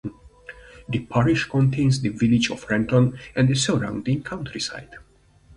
The parish contains the village of Ranton and the surrounding countryside.